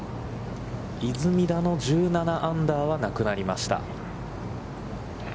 出水田の１７アンダーはなくなりました。